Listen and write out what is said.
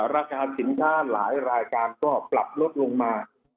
ราคาสินค้าหลายรายการก็ปรับลดลงมา